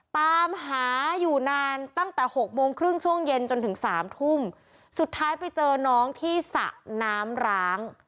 ตามหาอยู่นานตั้งแต่หกโมงครึ่งช่วงเย็นจนถึงสามทุ่มสุดท้ายไปเจอน้องที่สระน้ำร้าง